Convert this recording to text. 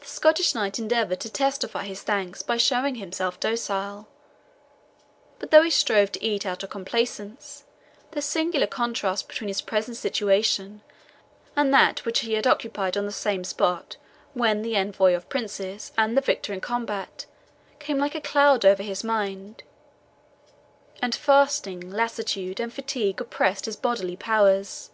The Scottish knight endeavoured to testify his thanks by showing himself docile; but though he strove to eat out of complaisance, the singular contrast between his present situation and that which he had occupied on the same spot when the envoy of princes and the victor in combat, came like a cloud over his mind, and fasting, lassitude, and fatigue oppressed his bodily powers.